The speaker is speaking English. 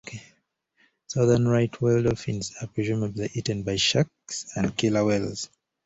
Southern right whale dolphins are presumably eaten by sharks and killer whales.